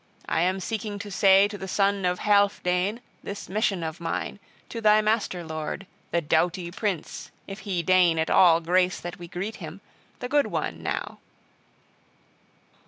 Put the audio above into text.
I am seeking to say to the son of Healfdene this mission of mine, to thy master lord, the doughty prince, if he deign at all grace that we greet him, the good one, now."